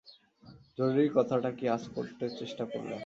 জরুরি কথাটা কি আঁচ করতে চেষ্টা করলেন।